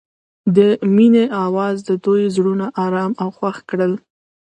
د مینه اواز د دوی زړونه ارامه او خوښ کړل.